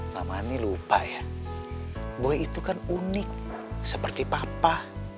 mamani lupa ya boy itu kan unik seperti papa